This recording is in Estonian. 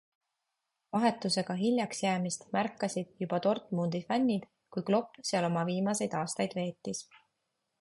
Vahetusega hiljaks jäämist märkasid juba Dortmundi fännid, kui Klopp seal oma viimased aastaid veetis.